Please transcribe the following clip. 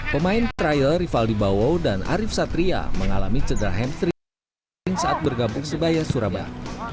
pemain trial rivaldi bawo dan arief satria mengalami cedera hamstring saat bergabung sebaya surabaya